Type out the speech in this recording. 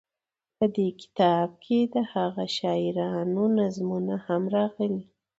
په دې کتاب کې دهغه شاعرانو نظمونه هم راغلي.